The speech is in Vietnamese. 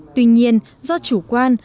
tuy nhiên do chủ quan